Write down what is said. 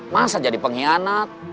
masa jadi pengkhianat